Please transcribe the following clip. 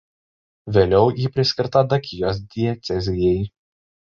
Vėliau ji priskirta Dakijos diecezijai.